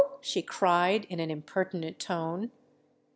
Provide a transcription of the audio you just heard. she cried, in an impertinent tone.